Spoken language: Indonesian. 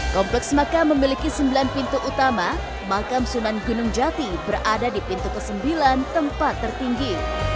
kompleks maka memiliki sembilan pintu utama makam sunan gunung jati berada di pintu ke sembilan tempat tertinggi